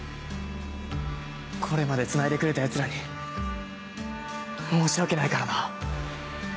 これまで繋いでくれたヤツらに申し訳ないからな。